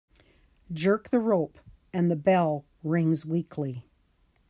Jerk the rope and the bell rings weakly.